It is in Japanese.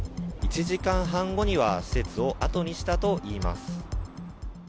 １時間半後には施設をあとにしたといいます。